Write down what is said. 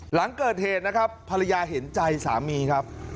หลังเกิดเหตุนะครับภรรยาเห็นใจสามีครับ